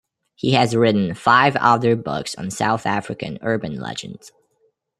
He has written five other books on South African urban legends.